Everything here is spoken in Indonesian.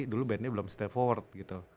dulu bandnya belum step forward gitu